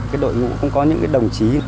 cái đội ngũ cũng có những cái đồng chí